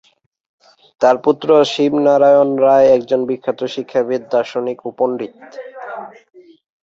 তার পুত্র শিবনারায়ণ রায় একজন বিখ্যাত শিক্ষাবিদ, দার্শনিক ও পণ্ডিত।